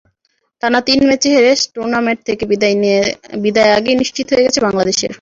টানা তিন ম্যাচে হেরে টুর্নামেন্ট থেকে বিদায় আগেই নিশ্চিত হয়ে গেছে বাংলাদেশের।